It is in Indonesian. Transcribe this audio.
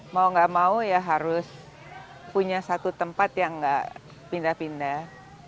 mau nggak mau ya harus punya satu tempat yang nggak pindah pindah